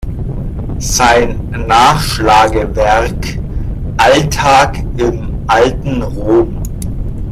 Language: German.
Sein Nachschlagewerk "Alltag im alten Rom.